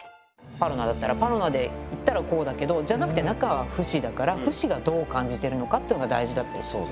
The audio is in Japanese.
パロナだったらパロナでいったらこうだけどじゃなくて中はフシだからフシがどう感じてるのかってのが大事。